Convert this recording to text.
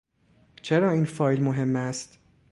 چرا این فایل مهم است؟